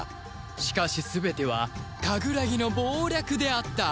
しかし全てはカグラギの謀略であった